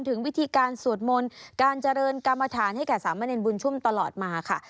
ถึงวิธีการสวดมนต์การเจริญกรรมฐานให้สามเมอร์เนียนบุญชมตลอดมาค่ะ